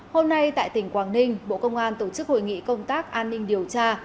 hôm nay tại tỉnh quảng ninh bộ công an tổ chức hội nghị công tác an ninh điều tra